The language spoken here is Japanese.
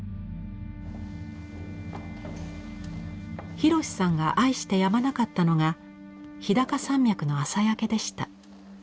洋さんが愛してやまなかったのが日高山脈の朝焼けでした。